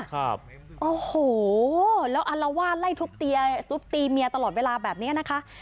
ครับโอ้โหแล้วอัลวาดไล่ทุบเตียทุบตีเมียตลอดเวลาแบบนี้นะคะ